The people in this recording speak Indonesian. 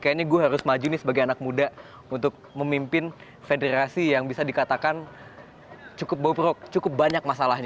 kayaknya gue harus maju nih sebagai anak muda untuk memimpin federasi yang bisa dikatakan cukup bobrok cukup banyak masalahnya